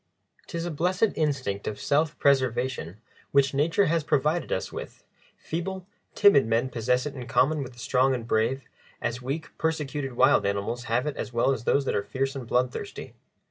'Tis a blessed instinct of self preservation which nature has provided us with; feeble, timid men possess it in common with the strong and brave, as weak, persecuted wild animals have it as well as those that are fierce and bloodthirsty.